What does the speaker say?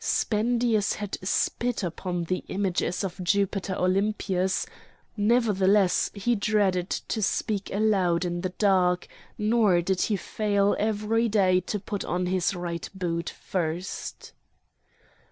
Spendius had spit upon the images of Jupiter Olympius; nevertheless he dreaded to speak aloud in the dark, nor did he fail every day to put on his right boot first.